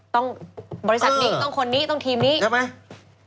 ต้องบริษัทนี้ต้องคนนี้ต้องทีมนี้ใช่ไหม